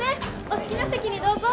お好きな席にどうぞ。